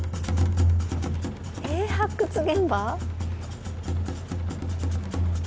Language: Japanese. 発掘現場？